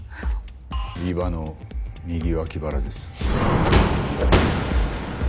伊庭の右脇腹です。